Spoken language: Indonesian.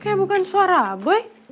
kayaknya bukan suara boy